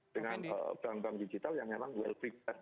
dengan bank bank digital yang memang well weekdat